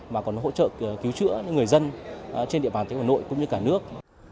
mà còn hỗ trợ cứu chữa những người dân trên địa bàn thành phố hà nội cũng như cả nước